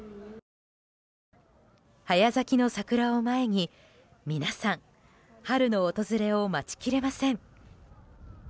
早咲きの桜を前に、皆さん春の訪れを待ちきれません。